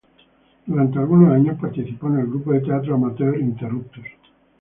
Durante algunos años participó en el grupo de teatro amateur "Interruptus.